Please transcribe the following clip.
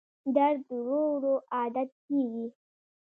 درد ورو ورو عادت کېږي.